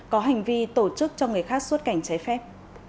có hành vi tổ chức cho người khác suốt cảnh cháy phép